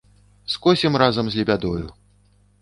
Скосім разам з лебядою.